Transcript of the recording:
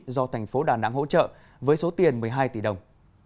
do thành phố đà nẵng hỗ trợ với số tiền một mươi hai tỷ đồng